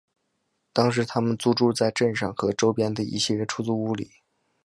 当时他们租住在镇上和周边的一系列出租屋里。